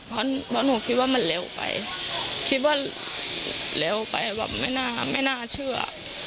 เพราะหนูคิดว่ามันเร็วไปคิดว่าเร็วไปแบบไม่น่าไม่น่าเชื่อ